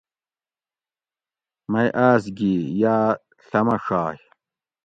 مئ آس گھی یا ڷمہ ڛائ